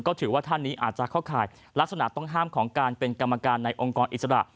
ก็ถือว่าท่านนี้อาจจะเข้าข่ายลักษณะต้องห้ามของการเป็นกรรมการในองค์กรอิสระ